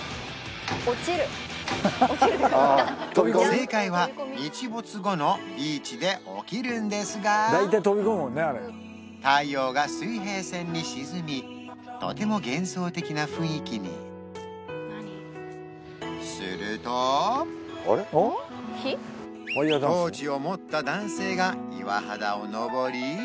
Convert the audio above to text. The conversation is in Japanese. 正解は日没後のビーチで起きるんですが太陽が水平線に沈みとても幻想的な雰囲気にトーチを持った男性が岩肌を登り